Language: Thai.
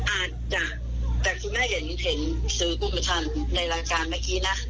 อาจจะแต่คุณแม่เห็นซื้อกุมทันในรายการเมื่อกี้นะ